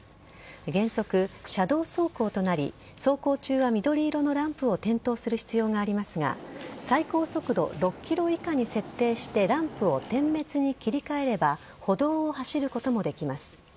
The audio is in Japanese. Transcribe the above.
原則、車道走行となり走行中は緑色のランプを点灯する必要がありますが最高速度６キロ以下に設定してランプを点滅に切り替えれば歩道を走ることもできます。